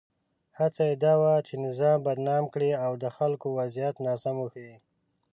هڅه یې دا وه چې نظام بدنام کړي او د خلکو وضعیت ناسم وښيي.